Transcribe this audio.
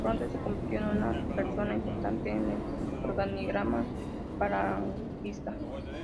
Pronto se convirtió en una persona importante en el organigrama falangista.